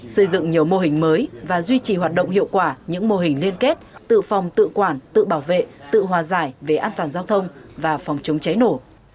xây dựng nhiều mô hình mới và duy trì hoạt động hiệu quả những mô hình liên kết tự phòng tự quản tự bảo vệ tự hòa giải về an toàn giao thông và phòng chống cháy nổ